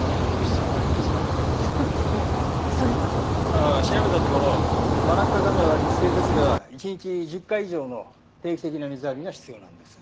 ああ調べたところマラッカガメは陸棲ですが一日１０回以上の定期的な水浴びが必要なんです。